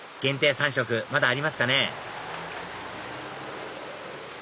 ３食まだありますかね？